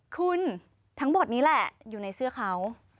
คุณทั้งหมดนี้แหละอยู่ในเสื้อเขา